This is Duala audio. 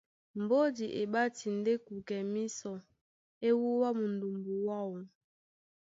Mbódi e ɓáti ndé kukɛ mísɔ, e wúwa mundumbu mwáō.